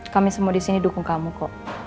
kami semua disini dukung kamu kok